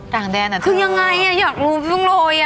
ต่างแดนอ่ะคือยังไงอยากรู้เพิ่งโรย